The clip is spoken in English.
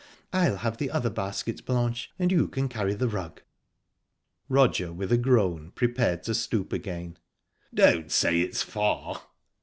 I'll have the other basket, Blanche, and you can carry the rug." Roger, with a groan, prepared to stoop again. "Don't say it's far!"